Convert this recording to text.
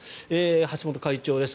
橋本会長です。